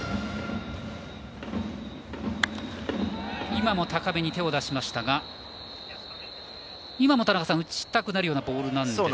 今も高めに手を出しましたが田中さん、打ちたくなるようなボールなんですか。